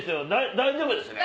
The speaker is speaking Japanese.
大丈夫ですね？